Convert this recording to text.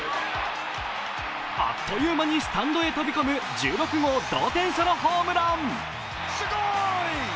あっという間にスタンドへ飛び込む１６号同点ホームラン。